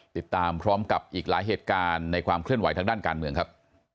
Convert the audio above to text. ติดตามพร้อมกับอีกหลายเหตุการณ์ในความเคลื่อนไหวทางด้านการเมืองครับ